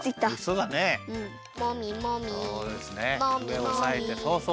うえをおさえてそうそう。